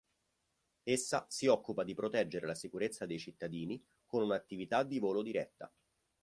Essa si occupa di proteggere la sicurezza dei cittadini con un'attività di volo diretta.